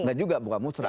enggak juga bukan musra